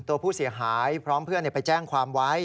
ตัวผู้เสียหายพร้อมเพื่อนไปแจ้งความไว้